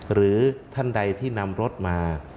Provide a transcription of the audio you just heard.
หรือท่านใดที่นำรถมา